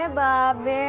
eh mba be